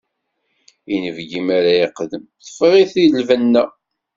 Inebgi mi ara iqdem, teffeɣ-it lbenna.